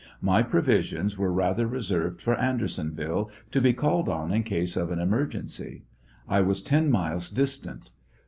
My provisions were rather reserved for Andersonville, to be called on in case of an emergency, ' I ivas 10 miles distant.